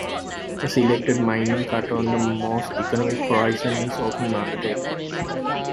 A selected mining cut on the most economic horizon is often undertaken.